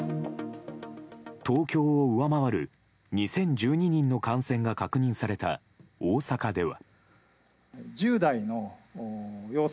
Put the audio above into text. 東京を上回る２０１２人の感染が確認された大阪では。